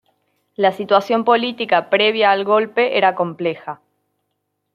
La situación política previa al golpe era compleja.